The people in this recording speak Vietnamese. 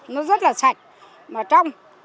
nó rất là sạch mà trong